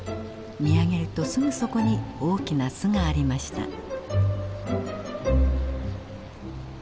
見上げるとすぐそこに大きな巣がありました。